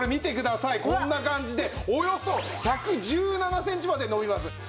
こんな感じでおよそ１１７センチまで伸びます。